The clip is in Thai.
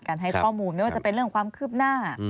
ให้ข้อมูลไม่ว่าจะเป็นเรื่องความคืบหน้า